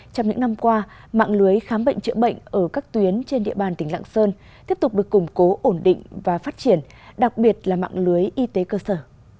trong những năm qua mạng lưới khám bệnh chữa bệnh ở các tuyến trên địa bàn tỉnh lạng sơn tiếp tục được củng cố ổn định và phát triển đặc biệt là mạng lưới y tế cơ sở